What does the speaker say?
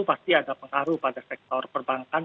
pasti ada pengaruh pada sektor perbankan